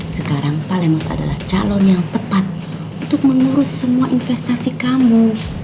sekarang palemos adalah calon yang tepat untuk mengurus semua investasi kamu